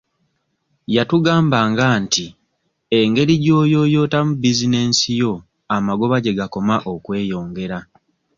Yatugambanga nti engeri gy'oyooyootamu bizinesi yo amagoba gye gakoma okweyongera.